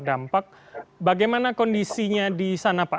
dampak bagaimana kondisinya di sana pak